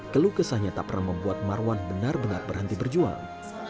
kelukesannya tak pernah membuat marwan benar benar berhenti berjuang